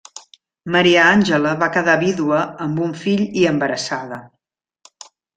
Maria Àngela va quedar vídua amb un fill i embarassada.